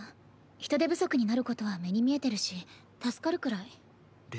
人手不足になることは目に見えてるし助かるくらい。